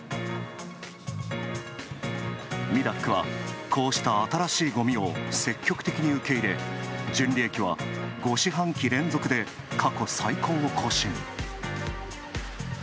ミダックは、こうした新しいごみを積極的に受け入れ、純利益は５四半期連続で過去最高を更新。